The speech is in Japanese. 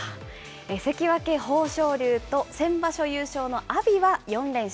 関脇・豊昇龍と先場所優勝の阿炎は４連勝。